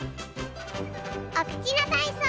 おくちのたいそう。